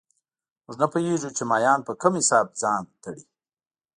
موږ نه پوهېږو چې مایان په کوم حساب ځان تړي